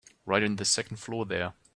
Right on the second floor there.